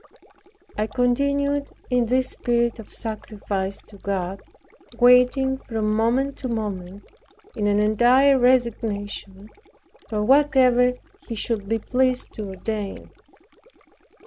I continued in this spirit of sacrifice to God, waiting from moment to moment in an entire resignation, for whatever He should be pleased to ordain.